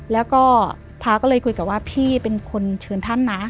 แล้วก็พระก็เลยคุยกับว่าพี่เป็นคนเชิญท่านนะ